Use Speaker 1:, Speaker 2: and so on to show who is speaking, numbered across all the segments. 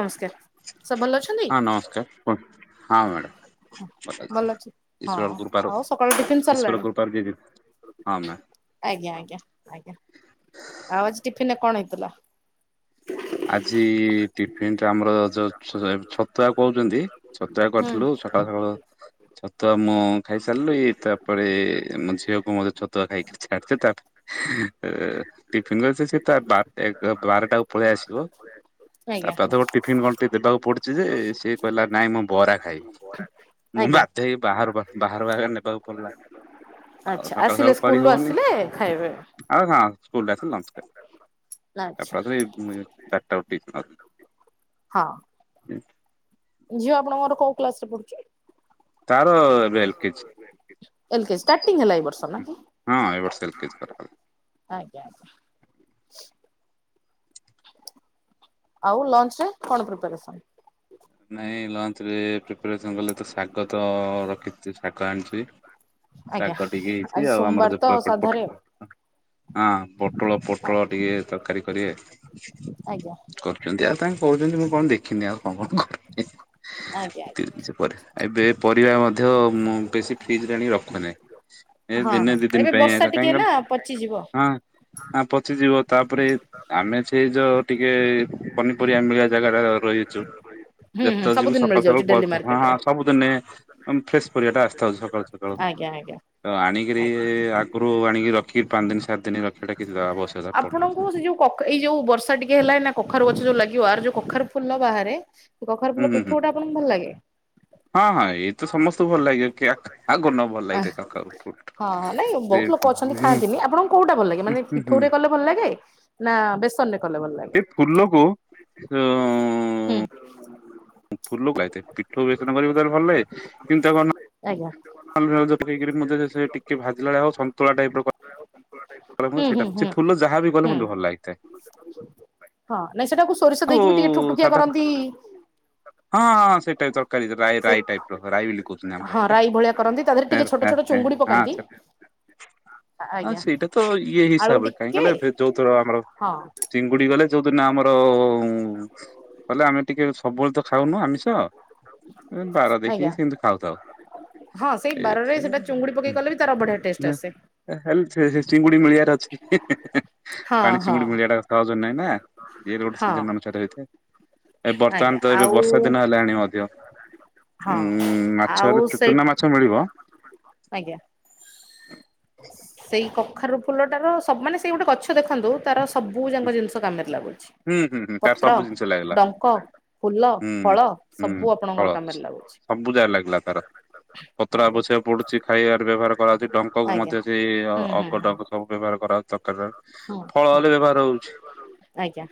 Speaker 1: ନମସ୍କାର ସବ ଭଲ ଅଛ
Speaker 2: ହଁ ନମସ୍କାର କୁହନ୍ତୁ ହଁ ମ୍ୟାଡ଼ମ।
Speaker 1: ଭଲ
Speaker 2: ମ
Speaker 1: ଅଛି। ହଁ
Speaker 2: ଈଶ୍ୱର କୃପାରୁ
Speaker 1: ଆଉ ସକାଳୁ ଟିଫିନ
Speaker 2: ଇଶ୍ୱର
Speaker 1: ସରିଲାଣି?
Speaker 2: କୃପାରୁ ଯଦ ହମମା।
Speaker 1: ଆଜ୍ଞା ଆଜ୍ଞା ଆଜ୍ଞା ଆଉ ଆଜି ଟିଫିିନରେ କଣ ହେଇଥିଲା।
Speaker 2: ଆଜି ଟିଫିିନ ଟା ଆମର ଯୋଉ ଛତୁଆ କହୁଛନ୍ତି ଛତୁଆ
Speaker 1: ହୁଁ
Speaker 2: କରିଥିଲୁ। ସକାଳ ସକାଳୁ ଛତୁଆ ମୁଁ ଖାଇ ସାରିଲୁ ଇଏ ତାପରେ ମୋ ଝିଅକୁ ମୋତେ ଛତୁଆ ଖାଇକି ଛାଡିଥାେ ତାପରେ। ଟିଫିନ ରେ ଅଛି ସେ ତା ବାର ଏ ବାରଟାକୁ ପଳେଇ ଆସିବ।
Speaker 1: ଆଜ୍ଞା
Speaker 2: ତାପା ତ ଟିଫିନ କଣ ଟିକେ ଦେବାକୁ ପଡୁଛି ଯେ ସିଏ କହିଲା ନାଇଁ ମୁଁ ବରା ଖାଇବି ମୁଁ ବା
Speaker 1: ଆଜ୍ଞା
Speaker 2: ଏଇ ବାହାର ପଟ। ବାହାର ବାରେ ନେବାକୁ ପଡିଲା ଆଉ
Speaker 1: ଆଚ୍ଛା
Speaker 2: ସକାଳୁ
Speaker 1: ଆସିଲେ
Speaker 2: ସକାଳୁ କରି
Speaker 1: ସ୍କୁଲରୁ
Speaker 2: ହଉନି।
Speaker 1: ଆସିଲେ ଖାଇବେ?
Speaker 2: ଆ ହଁ ସ୍କୁଲ ରେ ଆସିଲି ନମସ୍କାର [inaudible]
Speaker 1: ଆଚ୍ଛା
Speaker 2: ଚାରିଟା [inaudible]
Speaker 1: ହଁ।
Speaker 2: [inaudible]
Speaker 1: ଝିଅ ଆପଣର କୋଉ କ୍ଲାସରେ ପଢୁଛି।
Speaker 2: ତାର ଏବେ ଏଲ କେଜି
Speaker 1: [inaudible] ଏଲକେଜି ଷ୍ଟାଟିଙ୍ଗ ହେଲା ଏ ବର୍ଷ ମାନେ [inaudible]
Speaker 2: ହଁ ଏ ବର୍ଷ ଏଲ କେଜି କରାହବ।
Speaker 1: ଆଜ୍ଞା ଆଜ୍ଞା। ଆଉ ଲଞ୍ଚ ରେ କଣ ପ୍ରିପାରେସନ୍।
Speaker 2: ନାଇଁ ଲଞ୍ଚ ରେ ପ୍ରିପାରେସନ କଲେ ତ ଶାଗ ତ ରଖି ଶାଗ ଆଣିଛି।
Speaker 1: ଆଜ୍ଞା
Speaker 2: ଶାଗ ଟିକେ ହେଇଛି
Speaker 1: ଆଜି
Speaker 2: ଆଉ ଆମର
Speaker 1: ସୋମବାର ତ
Speaker 2: ଯୋଉ [inaudible]
Speaker 1: ସାଧାରେ
Speaker 2: ହଁ ପୋଟଳ ପୋଟଳ
Speaker 1: ଆଜ୍ଞା
Speaker 2: ଟିକେ ତରକାରୀ କରିବେ।
Speaker 1: ଆଜ୍ଞା।
Speaker 2: କରୁଚନ୍ତି ଆଉ ତାଙ୍କ କହୁଛନ୍ତି ମୁଁ କଣ ଦେଖିନି ଆଉ କଣ କଣ କରୁକି
Speaker 1: ଆଜ୍ଞା।
Speaker 2: କିଛି ପରେ। ଏବେ ପରିବା ମଧ୍ୟ ମୁଁ ବେଶୀ ଫ୍ରିଜରେ ଆଣିକି ରଖୁନାହିଁ। ଏ
Speaker 1: ହଁ
Speaker 2: ଦିନେ
Speaker 1: ହଁ
Speaker 2: ଦିଇ ଦିନ
Speaker 1: ଏବେ
Speaker 2: ପାଇଁ
Speaker 1: ବର୍ଷା ଟିକେ
Speaker 2: କାହିଁ କ
Speaker 1: ନା ପଚିଯିବ।
Speaker 2: ହଁ। ହ ପଚିଯିବ ତାପରେ ଆମେ ସେଇ ଯୋଉ ଟିକେ ପନି ପରିବା ମିଳିବା ଜାଗାର
Speaker 1: [unintelligible]
Speaker 2: ଯେତେଳେ ଯିବୁ
Speaker 1: ସବୁଦିନ
Speaker 2: ସକାଳୁ
Speaker 1: ମିଳିଯାଉଛି
Speaker 2: ସକାଳୁ
Speaker 1: ଡେଲି
Speaker 2: ହଁ ହଁ
Speaker 1: ମାର୍କେଟରେ।
Speaker 2: ସବୁ ଦିନେ ଫ୍ରେଶ ପରିବାଟା ଆସିଥାଉଛି ସକାଳୁ ସକାଳୁ।
Speaker 1: ଆଜ୍ଞା ଆଜ୍ଞା।
Speaker 2: ତ ଆଣିକିରି
Speaker 1: ଆଜ୍ଞା।
Speaker 2: ଆଗରୁ ଆଣିକି ରଖି ପାଞ୍ଚ ଦିନ ସାତ ଦିନ ରଖିବା ଟା
Speaker 1: ଆପଣଙ୍କୁ ସେ ଯୋଉ ଏଇ ଯୋଉ ବର୍ଷା ଟିକେ ହେଲା ନା କଖାରୁ ଗଛ ଯୋଉ ଲାଗିବ ଆର ଯୋଉ କଖାରୁ ଫୁଲ ବାହାରେ। କଖରୁ
Speaker 2: ହୁଁ
Speaker 1: ଫୁଲ
Speaker 2: ହୁଁ ହୁଁ
Speaker 1: ପିଠଉଟା ଆପଣଙ୍କୁ ଭଲ ଲାଗେ।
Speaker 2: ହଁ ହଁ ଏଇ ତ ସମସ୍ତଙ୍କୁ ଭଲ ଲାଗିବ କି ଆ ଆଉ କଉନ ଭଲ
Speaker 1: ଆଃ
Speaker 2: ଲାଗିଥାଏ [inaudible]
Speaker 1: ହଁ ହଁ ନାଇଁ
Speaker 2: ଯେ
Speaker 1: ବହୁତ ଲୋକ
Speaker 2: ହୁଁ
Speaker 1: ଅଛନ୍ତି
Speaker 2: ହୁଁ
Speaker 1: ଖାଆନ୍ତିନି ଆପଣଙ୍କୁ କୋଉଟା ଭଲ ଲାଗେ ମାନେ
Speaker 2: ହୁଁ ହୁଁ
Speaker 1: ପିଠୋଉରେ। ଲେ ଭଲ ଲାଗେ ନା ବେସନ ରେ କଲେ ଭଲ ଲାଗେ।
Speaker 2: ସେ ଫୁଲ କୁ [unintelligible]
Speaker 1: [unintelligible]
Speaker 2: ପିଠଉ ବେସନ କରିବୁ ତାହେଲେ ଭଲ
Speaker 1: ଆଜ୍ଞା
Speaker 2: ପକେଇକରି ମ ସେ ଟିକେ ଭାଜିଲା ଭଳି ଆଉ ଟିକେ ସନ୍ତୁଳା ଟାଇପ
Speaker 1: ହୁଁ ହୁଁ
Speaker 2: ସେଇଟା [unintelligible]
Speaker 1: ହୁଁ
Speaker 2: ସେ ଫୁଲ ଯାହା ବି ଗଲେ
Speaker 1: ହୁଁ।
Speaker 2: ମୋତେ ଭଲ ଲାଗିଥାଏ।
Speaker 1: ହଁ ନାଇଁ ସେଟାକୁ ସୋରିଷ
Speaker 2: ଆଉ
Speaker 1: ଦେଇକି ବି ଟିକେ ଠୁଠୁକିଆ
Speaker 2: ସାଧା
Speaker 1: କରନ୍ତି।
Speaker 2: ହଁ ହଁ ସେ ଟାଇପ୍ ତରକାରୀ ରାଇ
Speaker 1: ସେ
Speaker 2: ରାଇ ଟାଇପ୍ ର ରାଇ ବୋଲି କହୁଛନ୍ତି ଆମର
Speaker 1: ହଁ
Speaker 2: ଏପଟେ।
Speaker 1: ରାଇ ଭଳିଆ କରନ୍ତି ତା ଦେହରେ
Speaker 2: ଏ
Speaker 1: ଟିକେ ଛୋଟ
Speaker 2: ହେ
Speaker 1: ଛୋଟ
Speaker 2: ହେ
Speaker 1: ଚୁଙ୍ଗୁଡି
Speaker 2: ହଁ
Speaker 1: ପକାନ୍ତି
Speaker 2: ସେ
Speaker 1: ହଁ ଆଜ୍ଞା।
Speaker 2: ତ ଇଏ
Speaker 1: ଆଳୁ
Speaker 2: ହିସାବରେ କାହିଁ
Speaker 1: ଟିକେ
Speaker 2: ଗଲେ ଯୋଉଥର ଆମର
Speaker 1: ହଁ
Speaker 2: ଚିଙ୍ଗୁଡି ଗଲେ ଯୋଉ ଦିନ ଆମର ହୁଁ। କହଲେ ଆମେ ଟିକେ ସବୁବେଳେ ତ ଖାଉନୁ ଆମିଷ ବାର
Speaker 1: ଆଜ୍ଞା
Speaker 2: ଦେଖିକି ସେମତି ଖାଉଥାଉ।
Speaker 1: ହଁ ସେଇ ବାରରେ
Speaker 2: ଏଥିରେ
Speaker 1: ସେଟା ଚୁଙ୍ଗୁଡି ପକେଇ ଗଲେ ବି ତାର ବଢିଆ ଟେଷ୍ଟ ଆସେ।
Speaker 2: ହେ ସେ ଚିଙ୍ଗୁଡି ମିଳିବାରେ ଅଛି
Speaker 1: ହଁ
Speaker 2: ପାଣି
Speaker 1: ହଁ
Speaker 2: ଚିଙ୍ଗୁଡି ମିଳିବା ଟା ସହଜ ନାଇଁ ନା। ସିଏ ଗୋଟେ
Speaker 1: ହଁ
Speaker 2: ସିଜନ ଅନୁସାରେ ହେଇଥାଏ ଏ
Speaker 1: ଆଜ୍ଞା
Speaker 2: ବର୍ତ୍ତମାନ ତ ଏବେ
Speaker 1: ଆଉ
Speaker 2: ବର୍ଷା ଦିନ ହେଲାଣି ମଧ୍ୟ। ଉଁ
Speaker 1: ହଁ।
Speaker 2: ମାଛ
Speaker 1: ଆଉ
Speaker 2: ହେଲେ
Speaker 1: ସେଇ
Speaker 2: ଚୂନା ମାଛ ମିଳିବ।
Speaker 1: ଆଜ୍ଞା। ସେଇ କଖାରୁ ଫୁଲଟାର ସବ ମମାନେ ସେଇ ଗୋଟେ ଗଛ ଦେଖନ୍ତୁ ତାର ସବୁ ଯାଙ୍କ ଜିନିଷ କାମରେ ଲାଗୁଛି
Speaker 2: ହୁଁ ହୁଁ ହୁଁ ତାର
Speaker 1: ପତ୍ର
Speaker 2: ସବୁ ଜିନିଷ ଲାଗିଲା।
Speaker 1: ଡଙ୍କ ଫୁଲ
Speaker 2: ହୁଁ
Speaker 1: ଫଳ
Speaker 2: ହୁଁ
Speaker 1: ସବୁ ଆପଣଙ୍କର
Speaker 2: ଫଳ
Speaker 1: କାମରେ ଲାଗୁଛି
Speaker 2: ସବୁ ଯାକ ଲାଗିଲା ତାର। ପତ୍ର
Speaker 1: ଆଜ୍ଞା
Speaker 2: ଆବଶ୍ଯକ ପଡୁଛି ଖାଇବାରେ ବ୍ୟବହାର କରାହଉଛି ଡଙ୍କ କୁ
Speaker 1: ଆଜ୍ଞା
Speaker 2: ମଧ୍ୟ ସେଇ
Speaker 1: ହୁଁ ହୁଁ
Speaker 2: ଅଗ
Speaker 1: ହୁଁ
Speaker 2: ଡଙ୍କ ସବୁ ବ୍ୟବହାର କରାହଉଛି। ତରକାରୀ
Speaker 1: ହୁଁ
Speaker 2: ଫଳ
Speaker 1: ହୁଁ
Speaker 2: ହେଲେ ବ୍ୟବହାର ହଉଛି।
Speaker 1: ଆଜ୍ଞା।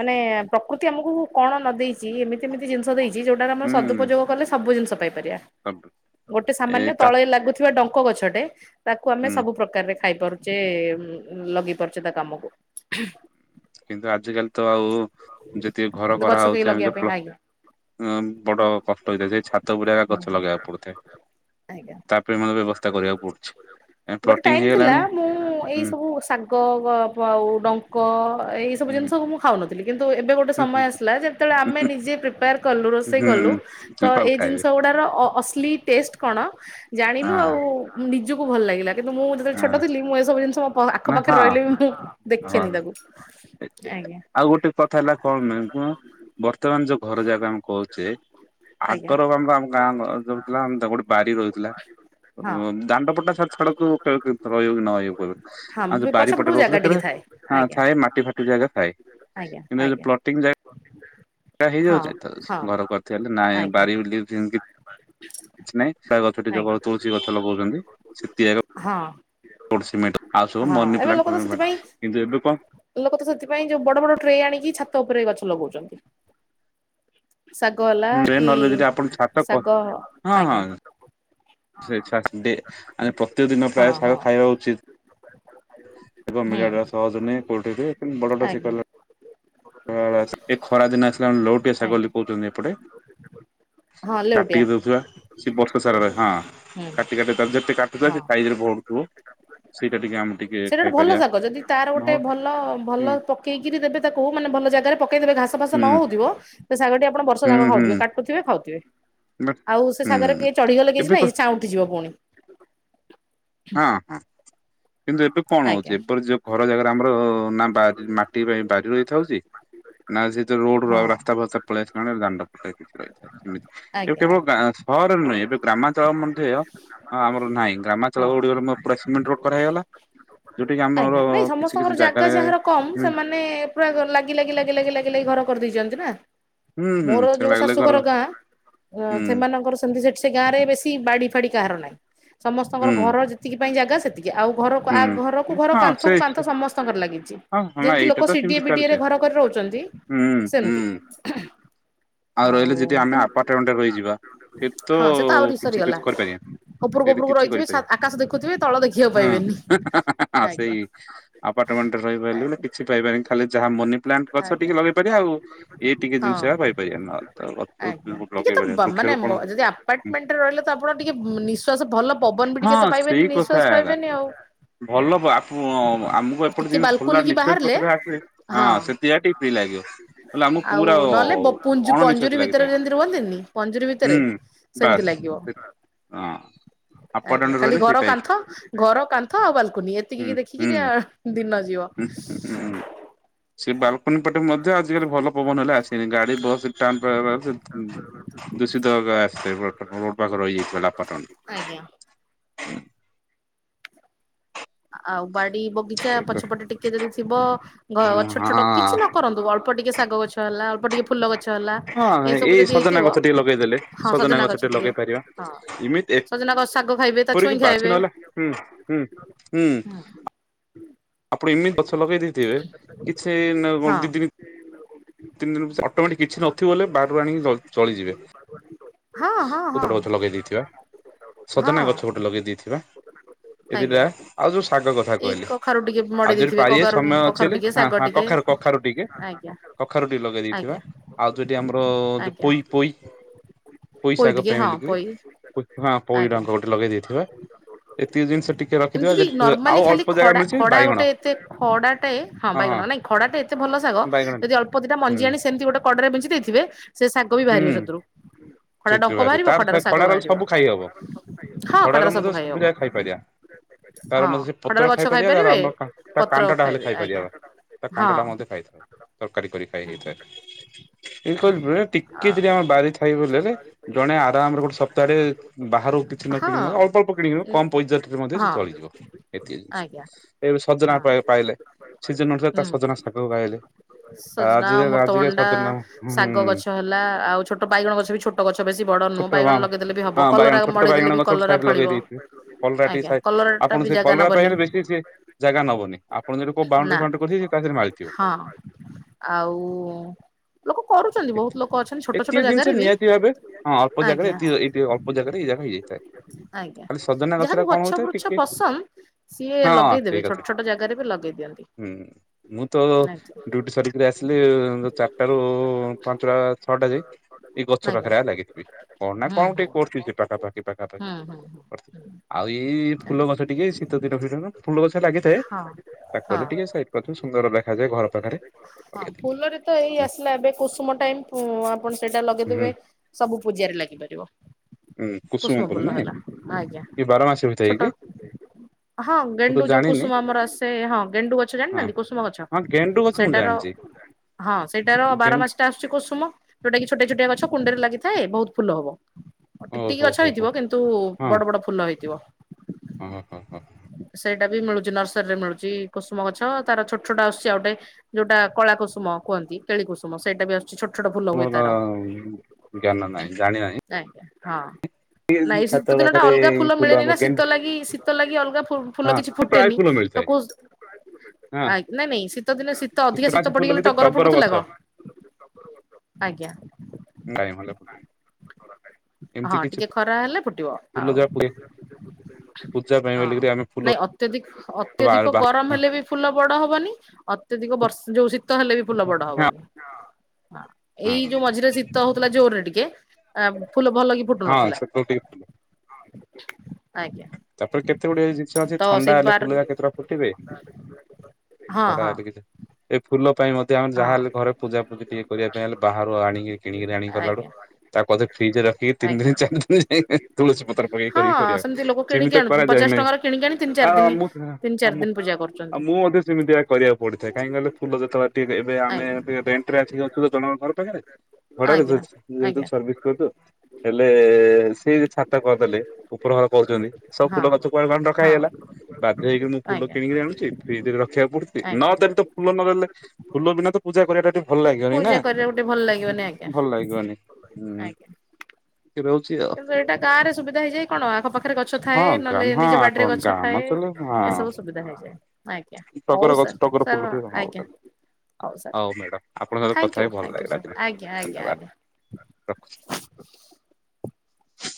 Speaker 1: ମାନେ ପ୍ରକୃତି ଆମକୁ କଣ ନ ଦେଇଛି। ଏମିତି ଏମିତି ଜିନିଷ ଦେଇଛି ଯୋଉଟାକୁ ଆମେ
Speaker 2: ହୁଁ
Speaker 1: ସଦୁପଯୋଗ କଲେ ସବୁ ଜିନିଷ ପାଇପାରିବା।
Speaker 2: ସବୁ
Speaker 1: ଗୋଟେ
Speaker 2: ଏଇ
Speaker 1: ସାମାନ୍ୟ
Speaker 2: ତା
Speaker 1: ତଳେ ଲାଗୁଥିବା ଡଙ୍କ ଗଛଟେ ତାକୁ ଆମେ
Speaker 2: ହୁଁ
Speaker 1: ସବୁ ପ୍ରକାରରେ ଖାଇପାରୁ ଛେ ଲଗେଇ ପାରୁଛେ ତା କାମକୁ।
Speaker 2: କିନ୍ତୁ ଆଜିକାଲି ତ ଆଉ ଯେତିକି ଘର
Speaker 1: କିନ୍ତୁ ଗଛ କେହି
Speaker 2: କରାହଉଛି ଆମ
Speaker 1: ଲଗେଇବା
Speaker 2: ଯେ
Speaker 1: ପାଇଁ
Speaker 2: ପ୍ଲ
Speaker 1: ଆଜ୍ଞା
Speaker 2: ଉ ବଡ କଷ୍ଟ ହେଇଥାଏ ସେ ଛାତ ଉପରେ ଗଛ ଲଗେଇବାକୁ ପଡୁଥାଏ।
Speaker 1: ଆଜ୍ଞା।
Speaker 2: ତାପରେ ମାନେ ବ୍ୟବସ୍ଥା କରିବାକୁ ପଡୁଛି। ଏ
Speaker 1: ଗୋଟେ
Speaker 2: ପ୍ଲଟିଂ
Speaker 1: ଟାଇମ ଥିଲା
Speaker 2: ହେଇଗଲାଣି
Speaker 1: ମୁଁ ଏଇ
Speaker 2: ହୁଁ
Speaker 1: ସବୁ ସା ଗ ଗ ପଉ ଡଙ୍କ ଏଇ ସବୁ
Speaker 2: ହୁଁ
Speaker 1: ଜିନିଷ ମୁଁ ଖାଉନଥିଲି କିନ୍ତୁ ଏବେ ଗୋ ଟେ
Speaker 2: ହୁଁ
Speaker 1: ସମୟ
Speaker 2: ହୁଁ
Speaker 1: ଆସିଲା ଯେତେବେଳେ
Speaker 2: ହୁଁ
Speaker 1: ଆମେ ନିଜେ ପ୍ରିପେୟାର କଲୁ ରୋଷେଇ
Speaker 2: ହୁଁ ହୁଁ
Speaker 1: କଲୁ
Speaker 2: ହୁଁ ହୁଁ
Speaker 1: ତ
Speaker 2: କଲ୍
Speaker 1: ଏଇ
Speaker 2: ଖାଇବେ
Speaker 1: ଜିନିଷ ଗୁଡାର ଅ ଅଶ୍ଲି ଟେଷ୍ଟ କଣ ଜାଣିଲୁ
Speaker 2: ହଁ
Speaker 1: ଆଉ ନିଜକୁ ଭଲ ଲାଗିଲା କିନ୍ତୁ ମୁଁ ଯେତେବେଳେ
Speaker 2: ହଁ
Speaker 1: ଛୋଟ ଥିଲି ମୁଁ ଏସବୁ ଜିନିଷ ହଁ
Speaker 2: ନା
Speaker 1: ଆଖପାଖରେ
Speaker 2: ହଁ
Speaker 1: ରହିଲେ ବି ମୁଁ ଦେଖେନି
Speaker 2: ହଁ
Speaker 1: ତାକୁ ଆଜ୍ଞା।
Speaker 2: ଆଉ ଗୋଟେ କଥା ହେଲା କଣ ବର୍ତ୍ତମାନ ଯୋଉ ଘରେ ଯାକ ଆମେ କରୁଛେ
Speaker 1: ଆଜ୍ଞା।
Speaker 2: ଆଗର ଆମ ଗାଁ ଯଉଥିଲା ଆମ ତା ଗୋଟେ ବାରି ରହୁଥିଲା
Speaker 1: ହଁ
Speaker 2: ଦାଣ୍ଡ ପଟ ଛ ଛାଡ ରହିବ ନହିବ
Speaker 1: ହଁ
Speaker 2: ଆଉ ଯ ବାରି ପଟେ
Speaker 1: ପଛପଟକୁ ଜାଗା ଟିକେ
Speaker 2: ରହୁଥିଲା
Speaker 1: ଥାଏ ଆଜ୍ଞା
Speaker 2: ଛାଏ ମା ଟି ଜାଗା ଥାଏ କିନ୍ତୁ ହେ ଯୋଉ ପ୍ଲଟିଂ
Speaker 1: ହ
Speaker 2: ଟା ହେଇଯାଉ ଘର କରିଥା ହେଲେ ନାଇଁ
Speaker 1: ଆଜ୍ଞା
Speaker 2: ବାରି [unintelligible] କିଛି ନାଇଁ ସେ ଗଛ ଜ
Speaker 1: ଆଜ୍ଞା
Speaker 2: ତୁଳସୀ ଗଛ ଲଗଉଛନ୍ତି ସେତିଆ।
Speaker 1: ହଁ।
Speaker 2: ତୋ ସିମେଣ୍ଟ ଆସ
Speaker 1: ହଁ
Speaker 2: ମନି
Speaker 1: ଏବେ ଲୋକ ତ
Speaker 2: ପ୍ଲାଣ୍ଟ
Speaker 1: ସେଥିପାଇଁ
Speaker 2: କିନ୍ତୁବେ।
Speaker 1: ଲୋକ ତ ସେଥିପାଇଁ ଯୋଉ ବଡ ବଡ ଟ୍ରେ ଆଣିକି ଛାତ ଉପରେ ଗଛ ଲଗଉଛନ୍ତି। ଶାଗ ହେଲା
Speaker 2: ଟ୍ରେନ
Speaker 1: କି
Speaker 2: ନହେଲେ ଯଦି ଆପଣ ଛାତ ହଁ
Speaker 1: ଶାଗ ଆଜ୍ଞା।
Speaker 2: ହଁ ସେ [unintelligible] ପ୍ରତ୍ୟେକ ଦିନ
Speaker 1: ହଁ
Speaker 2: ପ୍ରାୟ
Speaker 1: ହଁ
Speaker 2: ଶାଗ ଖାଇବା ଉଚିତ।
Speaker 1: ହୁଁ
Speaker 2: ମଳା ସହଜୁଁ କୋ କିୁ ବଡ ବଡ
Speaker 1: ଆଜ୍ଞା
Speaker 2: ଶିଖ। ଏ ଖରା ଦିନ ଆସିଲା ଆମେ ଲଉଟିଆ ଶାଗ
Speaker 1: ଆଜ୍ଞା
Speaker 2: ବୋଲି କହୁଛନ୍ତି ଏପଟେ।
Speaker 1: ହଁ ଲେଉଟିଆ
Speaker 2: କାଟିକି ଦଉଥିବା ସେ ବର୍ଷା ସାରାରେ ହଁ
Speaker 1: ହୁଁ
Speaker 2: କାଟି କାଟି ଯେତେ ସେ ସାଇଜରେ ବଢୁଥିବ। ସେଇଟା ଟିକେ ଆମେ ଟିକେ
Speaker 1: ସେଟା ଗୋଟେ ଭଲ
Speaker 2: ଖାଇପାରିବା
Speaker 1: ଶାଗ ଯଦି ତାର ଗୋଟେ
Speaker 2: ନହଲେ
Speaker 1: ଭଲ ଭଲ
Speaker 2: ହୁଁ
Speaker 1: କେକିରି ଦେବେ ତାକୁ ମାନେ ଭଲ ଜାଗାରେ ପକେଇ ଦେେବେ ଘାସ ଫାସ ନ
Speaker 2: ହୁଁ
Speaker 1: ହଉଥିବ ସେ ଶାଗ ଟି ଆପଣ ବର୍ଷ
Speaker 2: ହୁଁ
Speaker 1: ଯା
Speaker 2: ହୁଁ
Speaker 1: ଖାଉଥିବେ। କା ଟୁଥିବେ ଖାଉଥିବେ
Speaker 2: ବା
Speaker 1: ଆଉ ସେ ଶାଗରେ
Speaker 2: ହୁଁ
Speaker 1: କି ଚଢିଗଲେ କିଛି
Speaker 2: ଏବେ କ
Speaker 1: ନାଇଁ ସାଁ ଉଠିଯିବ ପୁଣି।
Speaker 2: ହଁ ହଁ। କିନ୍ତୁ ଏବେ କଣ
Speaker 1: ଆଜ୍ଞା
Speaker 2: ହଉଛି ଏବେ ଯୋଉ ଘର ଜାଗାରେ ଆମର ନାରି ମାଟି ପାଇଁ ବାରି ରହିଥାଉଛି। ନା ସେ ତ ରୋଡ ର
Speaker 1: ହଁ
Speaker 2: ରାସ୍ତାବସ୍ତା ପଳେଇସ କଣ ଦାଣ୍ଡ ଫ କିଛି ରହିଥାଏ ସେମିତି। ଏବେ
Speaker 1: ଆଜ୍ଞା
Speaker 2: କେବଳ
Speaker 1: ଆଜ୍ଞା।
Speaker 2: ସହରରେ ନୁହେଁ ଏବେ ଗ୍ରାମାଞ୍ଚଳ ମଧ୍ୟ ଆମର ନାହିଁ ଗ୍ରାମା ଗ
Speaker 1: ହଁ
Speaker 2: ମୋ ପୁର ସିମଣ୍ଟ ରୋ କରଇଗଲା।
Speaker 1: ଆଜ୍ଞା ନାଇଁ
Speaker 2: କିଛି
Speaker 1: ସମସ୍ତଙ୍କର ଜାଗା
Speaker 2: ଜାଗାରେ
Speaker 1: ଯାହାର କମ
Speaker 2: ହୁଁ
Speaker 1: ସେମାନେ। ପୁରା ଲାଗି ଲାଗି, ଲାଗି ଲାଗି, ଲାଗି ଲାଗି ଘର କରି ଦେଇଛନ୍ତି ନା।
Speaker 2: ହୁଁ ହୁଁ
Speaker 1: ମୋର
Speaker 2: ସେ
Speaker 1: ଯୋଉ
Speaker 2: ଲାଗିଲେ ଘର
Speaker 1: ଶାଶୁଘର ଗାଁ,
Speaker 2: ହୁଁ
Speaker 1: ସେମାନଙ୍କ ର,,, ସେମତି ସେଠି ସେ ଗାଁରେ, ବେଶୀ ବାଡ଼ି ଫାଡ଼ି କାହାର ନାହିଁ। ସମସ୍ତଙ୍କର
Speaker 2: ହୁଁ
Speaker 1: ଘର ଯେତିକି ପାଇଁ ଜାଗା ସେତିକି, ଆଉ ଘର,,,
Speaker 2: ହୁଁ
Speaker 1: ଆ, ଘରକୁ ଘର
Speaker 2: ହଁ
Speaker 1: କାନ୍ଥ କୁ
Speaker 2: ସେଇ
Speaker 1: କାନ୍ଥ ସମସ୍ତଙ୍କର ଲାଗିଛି।
Speaker 2: ହଁ ହଁ ନା
Speaker 1: ଯେମିତି
Speaker 2: ଏଇଟା
Speaker 1: ଲୋକ,
Speaker 2: ତ
Speaker 1: ସିଡିଏ
Speaker 2: ସେମିତି
Speaker 1: ଫିଡିଏ ରେ
Speaker 2: ଚାଲିଛି
Speaker 1: ଘର କରି ରହୁଛନ୍ତି,,,
Speaker 2: ହୁଁ
Speaker 1: ସେମ୍
Speaker 2: ହୁଁ
Speaker 1: ତି।
Speaker 2: ଆଉ ରହିଲେ ଯଦି ଆମେ ଆପାର୍ଟମେଣ୍ଟରେ ରହିଯିବା। ସେ ତ,
Speaker 1: ହଁ ସେ ଆହୁରି
Speaker 2: କିଛି କିଛି
Speaker 1: ସରିଗଲା
Speaker 2: କରି ପାରିବା।
Speaker 1: ଉପରକୁ
Speaker 2: ସେ ତ
Speaker 1: ଉପରକୁ
Speaker 2: କିଛି କରି
Speaker 1: ରହିଥିବେ ସା
Speaker 2: ପାରିବା
Speaker 1: ଆକାଶ ଦେଖୁଥିବେ ତଳ ଦେଖିବାକୁ
Speaker 2: ହଁ।
Speaker 1: ପାଇବେନି।
Speaker 2: ଁଁ [unintelligible] ହଁ
Speaker 1: ଆଜ୍ଞା
Speaker 2: ସେଇ, ଆପାର୍ଟମେଣ୍ଟରେ ରହି ପାଇଲେ ବୋଲେ କିଛି ପାଇବାନି, ଖାଲି ଯାହା ମନି ପ୍ଲାଣ୍ଟ ଗଛ
Speaker 1: ଆଜ୍ଞା
Speaker 2: ଟିକେ ଲଗେଇ ପାରିବ। ଆଉ,, ଏଇ ଟିକେ
Speaker 1: ହଁ
Speaker 2: ଜିନିଷ ପାଇପାରିବା, ନହେଲେ ତ ଲଗେଇ ପରିବା, ବୃକ୍ଷରୁ ରୋପଣ,,,
Speaker 1: ଆପାର୍ଟମେଣ୍ଟ ରେ ରହିଲେ ତ ଆପଣ ଟିକେ ନିଶ୍ୱାସ, ଭଲ ପବନ ବି ଟିକେ
Speaker 2: ହଁ
Speaker 1: ତ ପାଇବେନି,
Speaker 2: ସେଇ କଥା
Speaker 1: ନିଶ୍ୱାସ
Speaker 2: ଏକା
Speaker 1: ପାଇବେନି ଆଉ।
Speaker 2: ଭଲ ଆମୁକୁ ଏପଟେ
Speaker 1: ଟିକେ
Speaker 2: ଯେମିତି ଖୋଲା
Speaker 1: ବାଲକୁନି କି
Speaker 2: ନିଶେଷ
Speaker 1: ବାହାରିଲେ
Speaker 2: ଆସେ, ହଁ, ସେ,,, ଦେହ ଟିକେ ଫ୍ରୀ ଲାଗିବ। ହେଲେ ଆମକୁ
Speaker 1: ଆଉ
Speaker 2: ପୁରା
Speaker 1: ନହେଲେ
Speaker 2: ଅଣନିଶ୍ୱାସୀ
Speaker 1: ପଞ୍ଜୁରୀ ଭିତରେ
Speaker 2: ଲାଗିଥାଏ
Speaker 1: ଯେମତି ରୁହନ୍ତିନି, ପଞ୍ଜୁରୀ
Speaker 2: ହୁଁ
Speaker 1: ଭିତରେ,,, ସେମିତି
Speaker 2: ବାସ୍
Speaker 1: ଲାଗିବ।
Speaker 2: ହଁ।
Speaker 1: ଆଜ୍ଞା,
Speaker 2: ଆପାର୍ଟମେଣ୍ଟରେ
Speaker 1: ଖାଲି
Speaker 2: ରହିଲେ ସେଇ
Speaker 1: ଘର
Speaker 2: ଟାଇପ
Speaker 1: କାନ୍ଥ। ଘର କାନ୍ଥ ଆଉ ବାଲକୁନି, ଏତିକି
Speaker 2: ହୁଁ
Speaker 1: କି
Speaker 2: ହୁଁ
Speaker 1: ଦେଖିକିରି ଦିନ ଯିବ।
Speaker 2: ହୁଁ ହୁଁ। ସେ ବାଲକୁନି ପଟେ ମଧ୍ୟ ଆଜିକାଲି ଭଲ ପବନ ହେଲେ ଆସିନି। ଗାଡ଼ି ବସ୍ ଷ୍ଟାଣ୍ଡ,,, ଦୂଷିତ ଭାବେ ଆସ, ରୋଡ଼ ପାଖ ରଯାଇଥିଲା ଆପର୍ଟମେଣ୍ଟ।
Speaker 1: ଆଜ୍ଞା। ଆଉ ବାଡ଼ି ବଗି,,, ପଛପଟେ ଟିକେ ଯଦି ଥିବ, ଛୋଟ ଛୋଟ କିଛି ନ
Speaker 2: ହଁ।
Speaker 1: କରନ୍ତୁ। ଅଳ୍ପ ଟିକେ ଶାଗ ଗଛ,,, ଗ ହେଲା, ଅଳ୍ପ ଟିକେ ଫୁଲ ଗଛ ହେଲା,
Speaker 2: ହଁ
Speaker 1: ଏଇ ସବୁ ଯଦି
Speaker 2: ସଜନା
Speaker 1: ହେଇଥିବ,
Speaker 2: ଗଛ ଟିକେ ଲଗେଇଦେଲେ
Speaker 1: ହଁ ସଜନା ଗଛ ଟିକେ।
Speaker 2: ଲଗେଇ ପାରିବା
Speaker 1: ହଁ,
Speaker 2: ଏମିତି
Speaker 1: ସଜନା ଗ ଶାଗ ଖାଇବେ, ତା ଛୁଇଁ
Speaker 2: ଏପରିକି ବାଛି
Speaker 1: ଖାଇବେ।
Speaker 2: ନହେଲା ହୁଁ, ହୁଁ, ହୁଁ। ଆପଣ ଏମିତି ଗଛ ଲଗେଇ ଦେଇଥିବେ। କିଛି
Speaker 1: ହଁ
Speaker 2: ଦିଦିନ,, ଦୁଇ ତିନିଦିନ୍ ଅଟମେଟିକ୍ କିଛି ନଥିବ ବ ବୋଲେ, ବାଡ଼ିରୁ ଆଣିକି ଜଲ୍ଦୀ ଚଳି ଯିବେ।
Speaker 1: ହଁ ହଁ
Speaker 2: କେତେଟା
Speaker 1: ହଁ
Speaker 2: ଗଛ ଲଗେଇ ଦେଇେ ଥିବା।
Speaker 1: ହଁ
Speaker 2: ସଜନା ଗଛ ଗୋ,,, ଲଗେଇ ଦେଇଥିବା। ଏବେନା,,,
Speaker 1: ଆଜ୍ଞା
Speaker 2: ଆଉ ଯୋଉ ଶାଗ କଥା
Speaker 1: ଏଇ
Speaker 2: କହିଲି।
Speaker 1: କଖାରୁ ଟିକେ ମଡେଇ
Speaker 2: ଆଉ ଯଦି
Speaker 1: ଦେଇଥିବେ
Speaker 2: ପାରିବେ
Speaker 1: କଖାରୁ
Speaker 2: ସମୟ ଅଛି
Speaker 1: କଖାରୁ
Speaker 2: ଏଲି,
Speaker 1: ଟିକେ
Speaker 2: ହଁ
Speaker 1: ଶାଗ
Speaker 2: ହଁ
Speaker 1: ଟିକେ
Speaker 2: କଖାରୁ କଖାରୁ ଟିକେ,,,
Speaker 1: ଆଜ୍ଞା।
Speaker 2: କଖାରୁଟି ଲଗେଇ ଦେଇେଥିବା,
Speaker 1: ଆଜ୍ଞା
Speaker 2: ଆଉ ଯଉଠି ଆମର
Speaker 1: ଆଜ୍ଞା
Speaker 2: ପୋଇ ପୋଇ। ପୋଇ ସାଗ
Speaker 1: ଟିକେ ହଁ
Speaker 2: ଫ୍ୟାମିଲି କି,
Speaker 1: ପୋଇ
Speaker 2: ହଁ ପୋଇ
Speaker 1: ଆଜ୍ଞା
Speaker 2: ଡାଙ୍ଗ ଗୋଟେ ଲଗେଇ ଦେଇଥିବା। ଏତି,,,
Speaker 1: ଏମିତି ବି, ନର୍ମାଲି ଖାଲି
Speaker 2: ଜାଗା
Speaker 1: ଖଡ଼ା
Speaker 2: ମିଳିଛି
Speaker 1: ଖଡ଼ା
Speaker 2: ବାଇଗଣ
Speaker 1: ଗୋଟେ ଏତେ, ଖଡ଼ା ଟେ,,, ହଁ ବାଇଗଣ, ନାଇଁ ଖଡ଼ାଟା ଏତେ ଭଲ ଶାଗ,
Speaker 2: ବାଇଗଣ
Speaker 1: ଯଦି ଅଳ୍ପ ଦିଟା
Speaker 2: ହୁଁ
Speaker 1: ମଞଜି ଆଣି ସେମିତି ଗୋଟେ କଡରେ ବିଞ୍ଚି ଦେଇଥିବ। ସେ ଶାଗ,,, ପୋକ ବି ବାହାରିବ
Speaker 2: ହୁଁ
Speaker 1: ସେଥିରୁ। ଖଡ଼ା
Speaker 2: ସେଇଠି
Speaker 1: ଡଙ୍କ
Speaker 2: ବାହାରି
Speaker 1: ବାହାରିବ,
Speaker 2: ତାର
Speaker 1: ଖଡ଼ା ର ଶାଗ
Speaker 2: ଖଡାର
Speaker 1: ବାହାରିବ,
Speaker 2: ସବୁ ଖାଇ ହବ।
Speaker 1: ହଁ ଖଡ଼ା
Speaker 2: ଖଡାର
Speaker 1: ର
Speaker 2: ମଧ୍ୟ
Speaker 1: ସବୁ ଖାଇ ହବ।
Speaker 2: ଯାକ ଖାଇପାରିବା
Speaker 1: [inaudible]
Speaker 2: ତାର ମତେ ସେ
Speaker 1: ଖଡାର
Speaker 2: ପତ୍ର
Speaker 1: ଗଛ
Speaker 2: ଖାଇ ପାରିବା, ତାର
Speaker 1: ଖାଇପାରିବେ
Speaker 2: ଆମର ତା
Speaker 1: ପତ୍ର
Speaker 2: କାଣ୍ଡ ଟା ହେଲେ
Speaker 1: ଖାଇବେ
Speaker 2: ଖାଇ
Speaker 1: ଆଜ୍ଞା
Speaker 2: ପାରିବା। ତା କାଣ୍ଡ ଟା ମଧ୍ୟ
Speaker 1: ହଁ।
Speaker 2: ଖାଇଥାଏ, ତରକାରୀ କରି ଖାଇ ଦେଇ ଥାଏ। ଏଇଟି,,,, କିିଏ
Speaker 1: ହଁ
Speaker 2: ଯଦି ଆମ, ବାରି ଥାଇ ବୋଲେରେ। ଜଣେ ଆରାମ୍ ରେ ଗୋଟେ ସପ୍ତାହ ରେ, ବାହାରୁ କିଛି ନ
Speaker 1: ହଁ
Speaker 2: କିଣିବ ଅଳ୍ପ ଅଳ୍ପ କିଣିବ। କମ୍ ପାଇଯଟ୍ ରେ ମଧ୍ୟ ସେ ଚଳିଯିବ, ଏତିକ ଜିନିଷ
Speaker 1: ଆଜ୍ଞା
Speaker 2: ଏବେ ସଜନା
Speaker 1: ହଁ
Speaker 2: ପାଇଲେ। ସିଯିନ୍ ନଥିଲେ, ତା ସଜନା ଶାଗକୁ ଖାଇଲେ।
Speaker 1: ସଜ୍ ନା, ଅମୃତ ଭଣ୍ଡା,
Speaker 2: ହୁଁ
Speaker 1: ଶାଗଗଛ ହେଲା, ଆଉ ଛୋଟ,,, ବାଇଗଣ ଗଛ ବି ଛୋଟ ଗଛ, ବେଶୀ ବଡ଼ ନୁହଁ।
Speaker 2: ଛୋଟ
Speaker 1: ବାଇଗଣ ଲଗେଇ ଦଲେ ବି ହେବ,
Speaker 2: ହଁ ବାଇଗଣ
Speaker 1: କଲରା
Speaker 2: ଛୋଟ
Speaker 1: ମଡ଼େଇ
Speaker 2: ବାଇଗଣ
Speaker 1: ଦେଲେ ବି
Speaker 2: ଗଛ ଗୋଟେ ସାଇଡ
Speaker 1: କଲରା
Speaker 2: ଲଗେଇ
Speaker 1: ଫଳିବ।
Speaker 2: ଦେଇଥିବେ କଲରା ଟିଏ
Speaker 1: ଆଜ୍ଞା
Speaker 2: ସାଇ,
Speaker 1: କଲରା ଟା
Speaker 2: ଆପଣ
Speaker 1: ବି
Speaker 2: ସେ
Speaker 1: ଜାଗା
Speaker 2: କଲରା
Speaker 1: ନବନି
Speaker 2: ପାଇଁ ବେଶୀ ସେ, ଜାଗା ନବନି। ଆପଣ ଯଦି କୋଉ ବାଉଣ୍ଡ୍ରୀ
Speaker 1: ନା
Speaker 2: ଫାଉଣ୍ଡ୍ରି କରିଥିବେ, ସେ କାହା ଧୀରେ ମାଳି ଥିବା।
Speaker 1: ହଁ ଆଉ ଲୋକ କରୁଛନ୍ତି ବହୁତ ଲୋକ ଅଛନ୍ତି ଛୋଟ ଛୋଟ
Speaker 2: ଏଟିଏ ଜିନିଷ
Speaker 1: ଜାଗାରେ ବି
Speaker 2: ନିହାତି ଭାବେ ହଁ ଅଳ୍ପ ଜାଗାରେ
Speaker 1: ଆଜ୍ଞା
Speaker 2: ଏ ଅଳପ ଜାଗାରେ ଏଇ ଜାଗା ହେଇଯାଇଥାଏ।
Speaker 1: ଆଜ୍ଞା
Speaker 2: ଖାଲି ସଜନା ଟା
Speaker 1: ଯାହାକୁ
Speaker 2: କଣ
Speaker 1: ଗଛ
Speaker 2: ହଉଥାଏ
Speaker 1: ବୃଛ
Speaker 2: ଟିକେ
Speaker 1: ପସନ୍ଦ। ସିଏ
Speaker 2: ହଁ ସେଇ
Speaker 1: ଲଗେଇଦେବେ ଛୋଟ
Speaker 2: କଥା
Speaker 1: ଛୋଟ ଜାଗାରେ ବି ଲଗେଇଦେବେ।
Speaker 2: ହୁଁ। ମୁଁ ତ ଡ୍ୟୁଟି ସାରିରିକିରି ଆସିଲି ଚାରିଟାରୁ ପାଞ୍ଚଟା ଛଟା ଯାଇ ଏଇ ଗଛ
Speaker 1: ଆଜ୍ଞା
Speaker 2: ପାଖରେ ହେଲାକି କଣ ନା
Speaker 1: ହୁଁ
Speaker 2: କଣ
Speaker 1: ହୁଁ
Speaker 2: ଟିକେ କରୁଥିବ ପାଖାପାଖି ପାଖାପାଖି
Speaker 1: ହୁଁ ହୁଁ ହୁଁ,
Speaker 2: ଆଉ ଏଇ ଫୁଲ ଗଛ ଟିକେ ଶୀତ ଫିତ ଦିନ ଫୁଲ ଗଛ ଲାଗିଥାଏ।
Speaker 1: ହଁ
Speaker 2: ତାକୁ
Speaker 1: ହଁ
Speaker 2: ହେଲେ ଟିକେ ସାଇଜ୍‌କରି ଦଉ ସୁନ୍ଦର ଦେଖାଯାଏ ଘର ପାଖରେ
Speaker 1: ହଁ
Speaker 2: ଲଗେଇି।
Speaker 1: ଫୁଲରେ ତ ଏଇ ଆସିଲା ଏବେ କୁସୁମ ଟାଇମ୍ ଆପଣ ସେଇଟା
Speaker 2: ହୁଁ
Speaker 1: ଲଗେଇଦେବେ ସବୁ ପୂଜରେ ଲାଗିପାରିବ।
Speaker 2: ହୁଁ କୁସୁମ
Speaker 1: କୁଷ୍ମ ଫୁଲ
Speaker 2: ନାଇଁ
Speaker 1: ହେଲା ଆଜ୍ଞା
Speaker 2: ଇଏ ବାର ମାସି ହୋଇଥାଏ
Speaker 1: ଛୋଟ
Speaker 2: କି
Speaker 1: ହଁ
Speaker 2: ମୁଁ ତ
Speaker 1: ଗେଣ୍ଡୁ ଯୋଉ
Speaker 2: ଜାଣିନି
Speaker 1: କୁସୁମ ଆମର ଆସେ ହଁ ଗେଣ୍ଡୁ ଗଛ
Speaker 2: ହଁ
Speaker 1: ଜାଣିନାହାନ୍ତି କୁୁସୁମ ଗଛ
Speaker 2: ହଁ ଗେଣ୍ଡୁ ଗଛ ମୁଁ
Speaker 1: ସେଇଟାର
Speaker 2: ଜାଣିଛି
Speaker 1: ହଁ ସେଇ ଟାର ବାର ମା
Speaker 2: ଗେଣ୍ଡୁ
Speaker 1: ଗୋଟେ ଆସୁଛି କୁସୁମ ଯୋଉଟା କି ଛୋଟିଆ ଛୋଟିଆ ଗଛ କୁଣ୍ଡ ରେ ଲାଗିଥାଏ ବହୁତ ଫୁଲ ହବ। ଟିକ ଟିକ
Speaker 2: ଓହୋ
Speaker 1: ଗଛ
Speaker 2: ହୋ ହୋ
Speaker 1: ହେଇଥିବ କିନ୍ତୁ
Speaker 2: ହଁ
Speaker 1: ବଡ ବଡ ଫୁଲ ହେଇଥିବ।
Speaker 2: ହଁ ହଁ ହଁ।
Speaker 1: ସେଇଟା ବି ମିଳୁଚି ନର୍ସରୀ ରେ ମିଳୁଚି କୁସୁମ ଗଛ ତାର ଛୋଟ ଛୋଟ ଆସୁଚି ଆ ଗୋଟେ ଯୋଉଟା କଳା କୁସୁମ କୁହନ୍ତି କେଳି କୁସୁମ ସେଇଟା ବି ଛୋଟଛଟ ଭୁଲ୍‌ ରହୁଛି
Speaker 2: ପୁଅର ଜ୍ଞାନ ନାହିଁ ଜାଣିନାହିଁ।
Speaker 1: ଆଜ୍ଞା ହଁ ନାଇଁ
Speaker 2: ଛାତ
Speaker 1: ଶୀତ ଦିନ ଟା
Speaker 2: ପାଖରେ
Speaker 1: ଅଲଗା ଫୁଲ ମିଳେନି
Speaker 2: ଆମର
Speaker 1: ନା
Speaker 2: ଗେଣ୍ଡୁ
Speaker 1: ଶୀତ ଲାଗି ଶୀତ ଲାଗି ଅଲଗା ଫୁଲ
Speaker 2: ହଁ
Speaker 1: କିଛି
Speaker 2: ପ୍ରାୟ ଫୁଲ ମିଳିଥାଏ
Speaker 1: ଫୁଟେନିକୋଉ
Speaker 2: ହଁ
Speaker 1: ନାଇ ନାଇ ଶୀତ ଦିନେ ଶି ତ ଅଧିକା
Speaker 2: କେତେଟା
Speaker 1: ଶୀତ
Speaker 2: ଅଛି ଫୁଲ
Speaker 1: ପଡିଗଲେ
Speaker 2: ଭିତରେ
Speaker 1: ଟଗର ଫୁଟୁଥିଲା
Speaker 2: ଗଛ
Speaker 1: କଣ ଆଜ୍ଞା।
Speaker 2: ନାଇ ମଲା ପ
Speaker 1: ହଁ ଟିକେ ଖରା ହେଲେ ଫୁଟିବ
Speaker 2: ଫୁଲ
Speaker 1: ଆଉ
Speaker 2: ଯାହା ଫୁଟେ ପୂଜା ପାଇଁ
Speaker 1: ହଁ।
Speaker 2: ବୋଲି କିରି ଆମେ
Speaker 1: ନାଇଁ
Speaker 2: ଫୁଲ
Speaker 1: ଅତ୍ୟଧିକ
Speaker 2: ବା
Speaker 1: ଅତ୍ୟଧିକ
Speaker 2: ବା
Speaker 1: ଗରମ ହେଲେ ବି ଫୁଲ ବଡ ହବନି ଅତ୍ୟଧିକ ବର୍ଷ ଯୋଉ ଶୀତ ହେଲେ ବି ଫୁଲ ବଡ ହବନି।
Speaker 2: ହଁ
Speaker 1: ଏଇ ଯୋଉ ମଝିରେ ଶୀତ ହଉଥିଲା ଜୋରରେ ଟିକେ ଫୁଲ ଭଲ କି ଫୁଟୁ
Speaker 2: ହଁ
Speaker 1: ନଥିଲା।
Speaker 2: ସେତକ ଟିକେ ଫୁଲ
Speaker 1: ଆଜ୍ଞା।
Speaker 2: ତାପରେ କେତେ ଗୁଟେ ଜିନିଷ ଅଛି
Speaker 1: ତ ସେଇ
Speaker 2: ଥଣ୍ଡା ହେଲେ
Speaker 1: ବାର
Speaker 2: ଫୁଲ ଭଡ଼ା କେତେଟା ଫୁଟିବେ।
Speaker 1: ହଁ
Speaker 2: ଖରା
Speaker 1: ହଁ
Speaker 2: ହେଲେ କି ଏଇ ଫୁଲ ପାଇଁ ମଧ୍ୟ ଆମେ
Speaker 1: ହଁ
Speaker 2: ଯାହାହ ହେଲେ ଘରେ ପୂଜାପୂଜି ଟିକେ କରିବା ପାଇଁ ହେଲେ ବାହାରୁ ଆଣିକି କିଣିକିରି ଆଣିିକଲା ହେଲୁ
Speaker 1: ଆଜ୍ଞା
Speaker 2: ତାକୁ ପଧେ ଫ୍ରିଜରେ ରଖିକି ତିନି
Speaker 1: ଆଜ୍ଞା।
Speaker 2: ଦିନ ଚାରି ଦିନ ଯାଇ ତୁଳସୀ ପତ୍ର ପକେଇକ
Speaker 1: ହଁ
Speaker 2: କରିକି କରିବା
Speaker 1: ସେମିତି ଲୋକ କିଣିକି
Speaker 2: ସୀମିତ
Speaker 1: ଆଣୁଛନ୍ତି
Speaker 2: କରାଯାଏ
Speaker 1: ପଚାଶ
Speaker 2: ନହିଁ
Speaker 1: ଟଙ୍କାର କିଣିକି ଆଣି ତିନି ଚାରି ଦିନ
Speaker 2: ଆଉ ମୁଁ
Speaker 1: ତିନି
Speaker 2: ଆଉ
Speaker 1: ଚାରି
Speaker 2: ମୁଁ
Speaker 1: ଦିନ ପୂଜା
Speaker 2: ଆଉ
Speaker 1: କରୁଛନ୍ତି।
Speaker 2: ମୁଁ ମଧ୍ୟ ସେମିତିଆ କରିବା ପଡ଼ିଡିଥାଏା କାହିଁକି ନଲେ ଫୁଲ ଯେତେଳେ ଟିକେ ଏବେ ଆମେ
Speaker 1: ଆଜ୍ଞା
Speaker 2: ଟିକେ ବ୍ୟାଙ୍କ ରେ ଆସିକି ଅଛୁ ଜଣଙ୍କ ଘର ପାଖରେ ଘଡାରେ ଯ
Speaker 1: ଆଜ୍ଞା ଆଜ୍ଞା
Speaker 2: ସର୍ବସ କରୁଛୁ [unintelligible] ହେଲେ ସେ ଛାତ କରିଦେଲେ ଉପର ଘର କରୁଛନ୍ତି। ସବ ଫୁଲ
Speaker 1: ହଁ।
Speaker 2: ଗଛ କୁଆ ରା ଢକା
Speaker 1: ହଁ
Speaker 2: ହେଇଗଲା। ବାଧ୍ୟ ହେଇକିରି ମୁଁ ଫୁଲ
Speaker 1: ଆଜ୍ଞା
Speaker 2: କିଣିକି ଆଣୁଛି ଫ୍ରିଜ ରେ ରଖିବାକୁ ପଡୁଛି ନ
Speaker 1: ଆଜ୍ଞା
Speaker 2: ତେନ୍ତୁ ଫୁଲ ନନେଲେ ଫୁଲ ବିନା ତ ପୂଜା କରିବା ଟା ଏତେ ଭଲ ଲାଗିବନି ନା
Speaker 1: ପୂଜା କରିବା ଗୋଟେ ଭଲ ଲାଗିବନି ଆଜ୍ଞା
Speaker 2: ଭଲ ଲାଗିବନି। ହୁଁ
Speaker 1: ଆଜ୍ଞା।
Speaker 2: ଟିକେ ରହୁଛି ଆଉ
Speaker 1: କିନ୍ତୁ ଏଟା ଗାଁରେ ସୁବିଧା ହେଇଯାଏ କଣ ଆଖପଖ ପାଖରେ ଗଛ ଥାଏ
Speaker 2: ହଁ
Speaker 1: ନହେଲେ
Speaker 2: ଗ୍ରାମ ହଁ
Speaker 1: ନିଜ
Speaker 2: ଆଠ
Speaker 1: ବାଡିରେ ଗଛ ଥାଏ
Speaker 2: ଗ୍ରାମାଞ୍ଚଳରେ ହଁ
Speaker 1: ଏସବୁ ସୁବିଧା ହେଇଯାଏ। ଆଜ୍ଞା ହଉ
Speaker 2: ଟଗର ଗଛ
Speaker 1: ସାର୍
Speaker 2: ଟଗର
Speaker 1: ସର୍
Speaker 2: ଫୁଲ ଟିକେ ହଉ।
Speaker 1: ଆଜ୍ଞା।
Speaker 2: ତାହେଲେ।
Speaker 1: ହଉ ସାର୍
Speaker 2: ହଉ ମ୍ୟାଡାମ ଆପଣଙ୍କ ସହିତ
Speaker 1: ଥ୍ୟାଙ୍କୟୁୁ ସାର୍ ଆଜ୍ଞା ଆଜ୍ଞା ଆଜ୍ଞା।
Speaker 2: ରଖୁ